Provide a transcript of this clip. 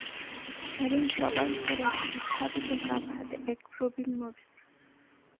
এবং সবার উপরে একটি উত্থাপিত কাপ হাতে এক প্রবীণ মজুর।